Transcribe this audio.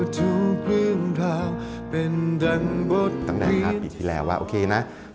ตำแหน่งคราวปีที่แล้วว่าโอเคนะ